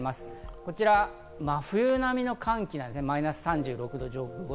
こちら真冬並みの寒気、マイナス３６度。